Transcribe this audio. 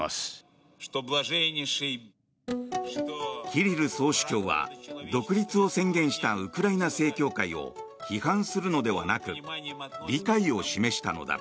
キリル総主教は独立を宣言したウクライナ正教会を批判するのではなく理解を示したのだ。